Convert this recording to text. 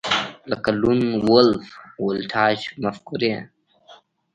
لکه لون وولف ولټاژ مفکورې